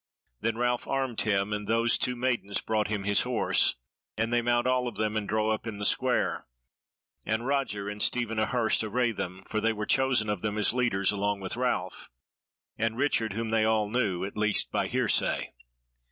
Then Ralph armed him, and those two maidens brought him his horse, and they mount all of them and draw up in the Square; and Roger and Stephen a Hurst array them, for they were chosen of them as leaders along with Ralph, and Richard, whom they all knew, at least by hearsay.